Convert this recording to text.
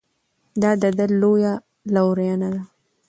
دا د ده لویه لورینه ده.